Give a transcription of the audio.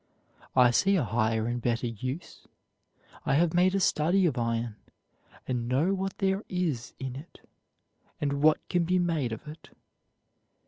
I see a higher and better use; I have made a study of iron, and know what there is in it and what can be made of it."